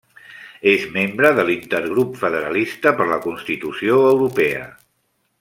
És membre de l'Intergrup Federalista per la Constitució Europea.